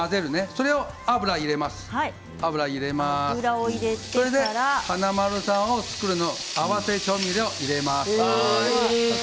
それで華丸さん作った合わせ調味料を入れます。